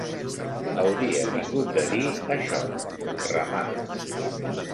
Hauria tingut de dir això: remar